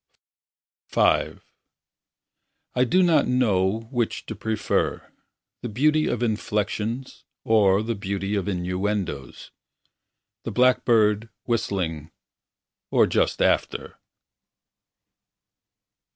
V I do not know which to prefer, The beauty of inflexions Or the beauty of innuendos, The blackbird whistling Or just after.